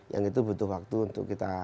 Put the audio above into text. yang itu butuh waktu untuk kita